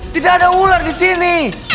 tidak ada ular di sini